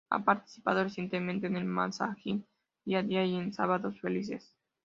Ha participado recientemente en el magazín Día a día y en Sábados Felices.